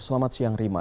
selamat siang rima